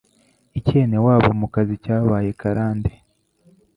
IKENEWABO mumkazi cyabaye karande